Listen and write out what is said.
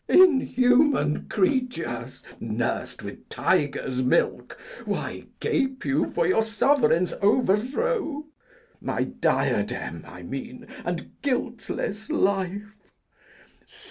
Inhuman creatures, nurs'd with tiger's milk, Why gape you for your sovereign's overthrow? My diadem, I mean, and guiltless life.